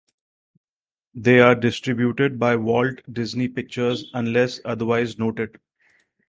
They are distributed by Walt Disney Pictures unless otherwise noted.